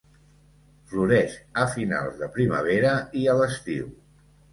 Floreix a finals de primavera i a l'estiu.